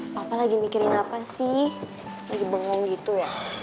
papa lagi mikirin apa sih lagi bengong gitu ya